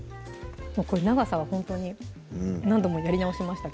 これ長さはほんとに何度もやり直しました